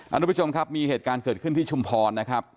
ทุกผู้ชมครับมีเหตุการณ์เกิดขึ้นที่ชุมพรนะครับ